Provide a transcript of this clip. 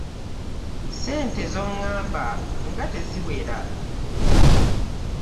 ssente zongamba nga teziwera.